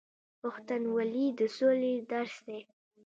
پښتونولي د سولې درس دی.